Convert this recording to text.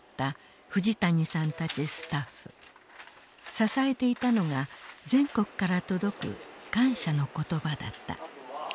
支えていたのが全国から届く感謝の言葉だった。